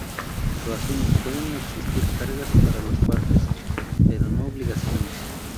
A lo sumo, pueden existir cargas para las partes, pero no obligaciones.